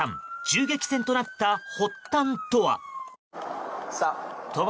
銃撃戦となった発端とは。